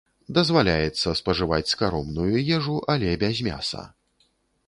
Дазваляецца спажываць скаромную ежу, але без мяса.